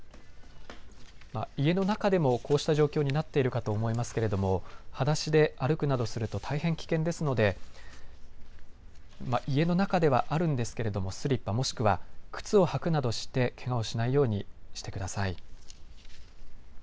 家の中でもこうした状況になっているかと思いますけれどもはだしで歩くなどすると大変危険ですので家の中ではあるんですけれどもスリッパもしくは靴を履くなどしてけがをしないようにしてください。